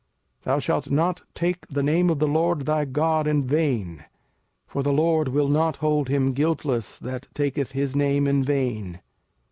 05:005:011 Thou shalt not take the name of the LORD thy God in vain: for the LORD will not hold him guiltless that taketh his name in vain.